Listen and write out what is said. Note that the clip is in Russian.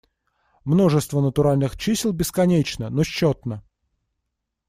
Множество натуральных чисел бесконечно, но счетно.